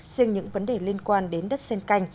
riêng những vấn đề liên quan đến đất sen canh